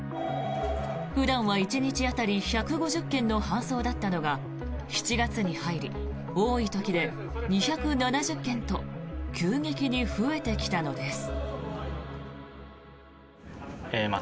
普段は１日当たり１５０件の搬送だったのが７月に入り多い時で２７０件と急激に増えてきたのです。